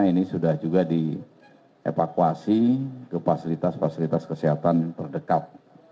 ini sudah juga dievakuasi ke fasilitas fasilitas kesehatan terdekat